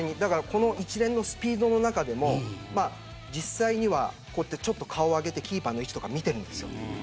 一連のスピードの中でも実際には、ちょっと顔を上げてキーパーの位置を見ているんです。